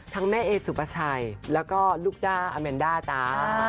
ทั้งแม่เอสุปชัยแล้วก็ลูกด้าอเมนด้าตา